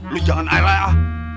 lo jangan air air ah